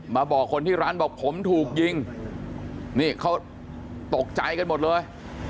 บอกคนที่ร้านบอกผมถูกยิงนี่เขาตกใจกันหมดเลย